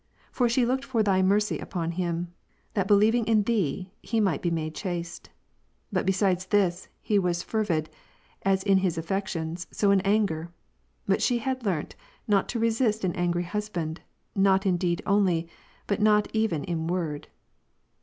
For she looked for Thy mercy upon him, that believing in Thee, he might be made chaste. But besides this, he was fervid, as in his affections, so in anger: but she had learnt, not to resist an angry husband, not in deed only, but not even in word.